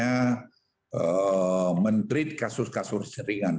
kita sudah mencari kasus kasus ringan